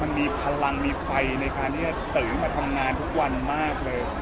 มันมีพลังมีไฟในการที่จะตื่นขึ้นมาทำงานทุกวันมากเลย